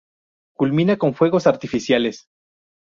Culmina con fuegos artificiales.